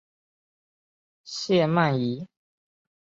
谢曼怡。